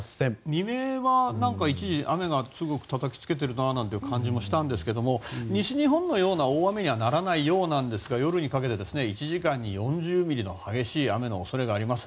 未明は一時、雨が強くたたきつけてるな、なんていう感じもしたんですが西日本のような大雨にはならないようなんですが夜にかけて１時間に４０ミリの激しい雨の恐れがあります。